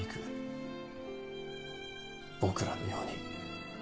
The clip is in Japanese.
僕らのように。